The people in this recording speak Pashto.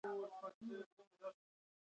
مخکې لور ته تکیه شوي وي.